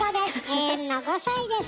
永遠の５歳です。